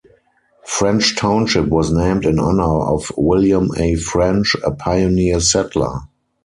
French Township was named in honor of William A. French, a pioneer settler.